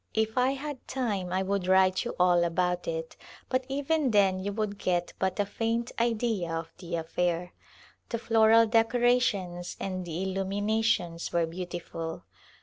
If I had time I would write you all about it, but even then you would get but a faint idea of the affair. The floral decorations and the illuminations were beautiful.